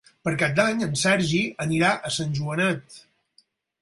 Per Cap d'Any en Sergi anirà a Sant Joanet.